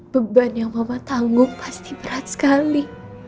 beban yang mama tanggung pasti berat sekali